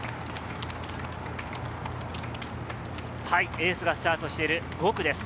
エースがスタートしている５区です。